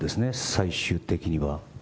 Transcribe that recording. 最終的には。